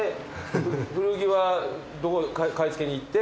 古着は買い付けに行って？